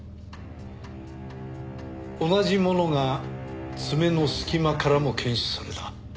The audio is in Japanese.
同じものが爪の隙間からも検出された。